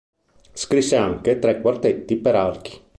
Scrisse anche tre quartetti per archi.